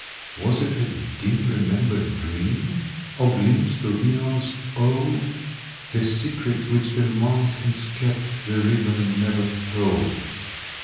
Was it a dim remembered dream? Or glimpse through aeons old? The secret which the mountains kept The river never told.